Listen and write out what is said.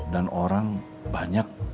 dan orang banyak